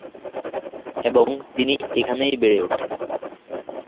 এবং তিনি এখানেই বেড়ে উঠেন।